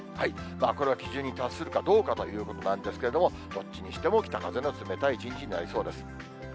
これは基準に達するかどうかということなんですけれども、どっちにしても北風の冷たい一日になりそうです。